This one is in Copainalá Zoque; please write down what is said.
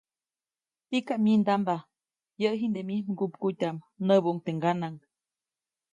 ‒Tikam myindamba, yäʼ jiʼnde mij mgupkutyaʼm-, näbuʼuŋ teʼ ŋganaʼŋ.